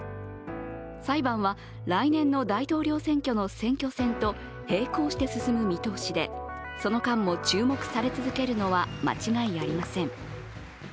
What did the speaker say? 裁判は来年の大統領選挙の選挙戦と並行して進む見通しでその間も注目され続けるのは間違いありません。